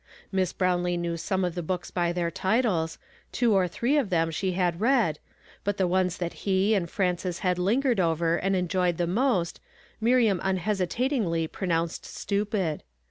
Miss Brownlee knew some of the books by their titles ; two or three of them she had read; but the ones that he and Frances had lingered over and enjoyed the most, INIiriam unhesitatingly pronounced stupid.